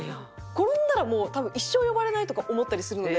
転んだらもう多分一生呼ばれないとか思ったりするので。